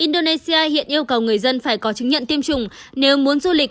indonesia hiện yêu cầu người dân phải có chứng nhận tiêm chủng nếu muốn du lịch